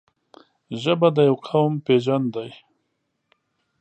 ژبه د یو قوم پېژند دی.